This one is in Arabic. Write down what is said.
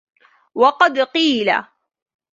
وَقَدْ قِيلَ